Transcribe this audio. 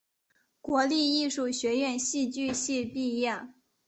国立艺术学院戏剧系毕业。